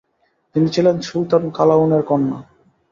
তিনি ছিলেন সুলতান কালাউনের কন্যা।